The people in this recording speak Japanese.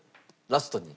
ラストに。